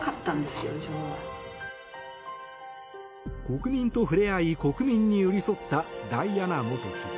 国民と触れ合い国民に寄り添ったダイアナ元妃。